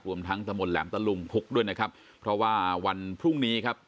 รวมทั้งตะมนต์แหลมตะลุงพุกด้วยนะครับเพราะว่าวันพรุ่งนี้ครับ